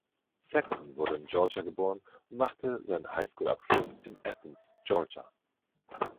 Saxon wurde in Georgia geboren und machte seinen High-School-Abschluss in Athens, Georgia.